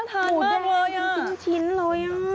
หมูแดงหนึ่งชิ้นเลยอ่ะ